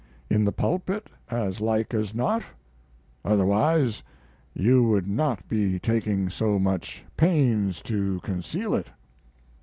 In the pulpit, as like as not, otherwise you would not be taking so much pains to conceal it.